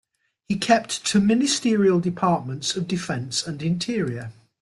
He kept to ministerial departments of defence and interior.